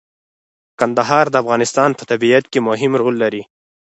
کندهار د افغانستان په طبیعت کې مهم رول لري.